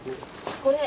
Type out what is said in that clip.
これ。